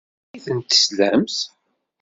Anda ay ten-telsamt?